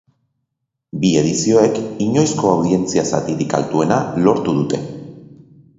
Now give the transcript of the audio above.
Bi edizioek inoizko audientzia zatirik altuena lortu dute.